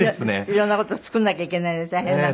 色んな事作らなきゃいけないんで大変なんで。